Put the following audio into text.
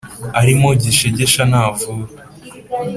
“arimo gishegesha ntavura“.